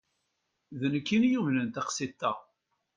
D anekk i yumnen taqsiḍt-a.